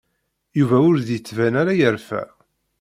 Yuba ur d-yettban ara yerfa.